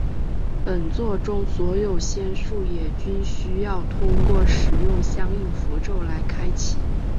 本作中所有仙术也均需要通过使用相应符咒来开启。